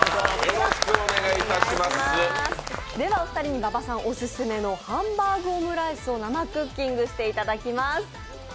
ではお二人に馬場さんオススメのハンバーグオムライスを生クッキングしていただきます。